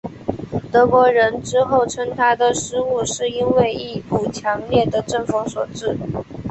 德国人之后称他的失误是因为一股强烈的阵风所致。